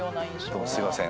どうもすいません。